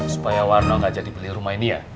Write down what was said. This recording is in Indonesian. supaya warna gak jadi beli rumah ini ya